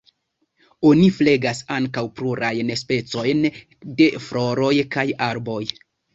Oni flegas ankaŭ plurajn specojn de floroj kaj arboj.